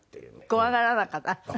怖がらなかった？